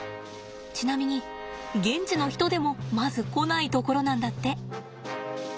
ちなみに現地の人でもまず来ない所なんだって。